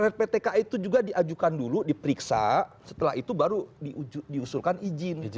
rptka itu juga diajukan dulu diperiksa setelah itu baru diusulkan izin